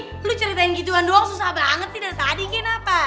ih lu ceritain gituan doang susah banget sih dari tadi kenapa